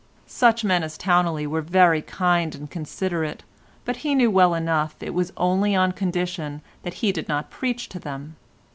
Such men as Towneley were very kind and considerate, but he knew well enough it was only on condition that he did not preach to them.